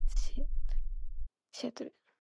She moved with her parents to Seattle.